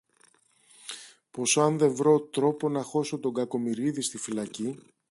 πως αν δε βρω τρόπο να χώσω τον Κακομοιρίδη στη φυλακή